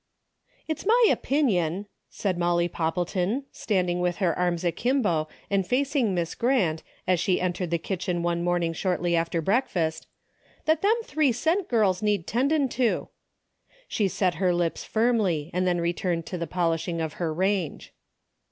It's my opinion," said Molly Poppleton, standing with her arms akimbo and facing Miss Grant as she entered the kitchen one morning shortly after breakfast, "that them three cent girls need 'tendin' to." She set her lips firmly and then returned to the polishing of her range.